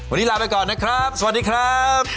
วันนี้ลาไปก่อนนะครับสวัสดีครับ